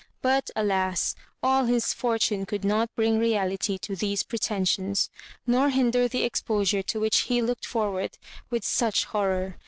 But, alas! all his fortune could not bring reality to these pretensions, nor hinder the exposure to which he looked forward with such horror.